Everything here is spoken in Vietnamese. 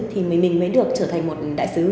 thì mình mới được trở thành một đại sứ